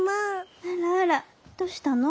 あらあらどうしたの？